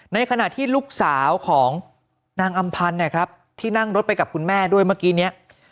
ในขณะที่ลูกสาวของนางอำพันธ์นะครับที่นั่งรถไปกับคุณแม่ด้วยเมื่อกี้เนี่ย